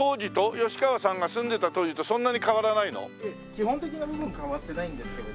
基本的な部分変わってないんですけれども。